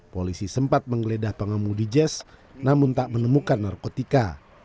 polisi sempat menggeledah pengemudi jazz namun tak menemukan narkotika